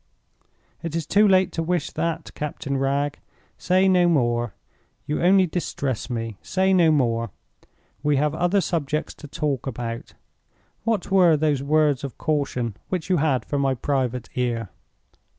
"It is too late to wish that, Captain Wragge. Say no more. You only distress me—say no more. We have other subjects to talk about. What were those words of caution which you had for my private ear?"